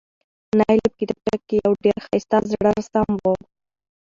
نایلې په کتابچه کې یو ډېر ښایسته زړه رسم و،